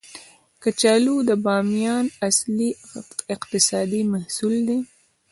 کچالو د بامیان اصلي اقتصادي محصول دی